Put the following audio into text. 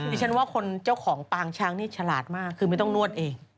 ดิฉันว่าคนเจ้าของปางช้างนี่ฉลาดมากคือไม่ต้องนวดเอง